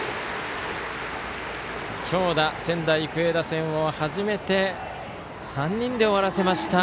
強打、仙台育英打線を初めて３人で終わらせました。